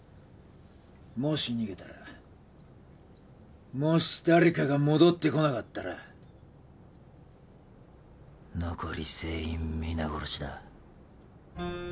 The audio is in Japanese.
もし逃げたらもし誰かが戻ってこなかったら残り全員皆殺しだ。